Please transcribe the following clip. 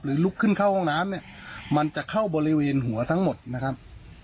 ลุกขึ้นเข้าห้องน้ำเนี่ยมันจะเข้าบริเวณหัวทั้งหมดนะครับ